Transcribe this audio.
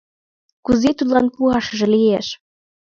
Кузе тудлан пуашыже лиеш.